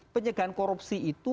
pencegahan korupsi itu